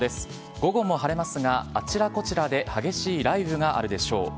午後も晴れますが、あちらこちらで激しい雷雨があるでしょう。